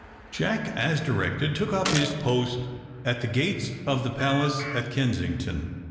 Jack, as directed, took up his post at the gates of the palace at Kensington.